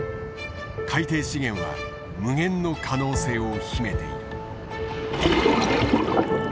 海底資源は無限の可能性を秘めている。